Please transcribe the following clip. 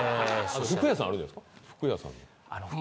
服屋さんあるんじゃないですか。